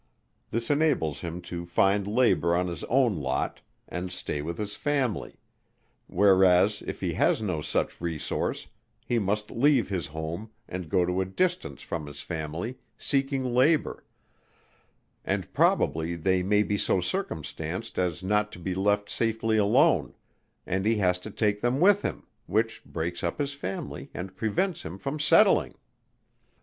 This enables him to find labour on his own lot, and stay with his family: whereas if he has no such resource, he must leave his home, and go to a distance from his family, seeking labour; and probably they may be so circumstanced as not to be left safely alone, and he has to take them with him, which breaks up his family and prevents him from settling.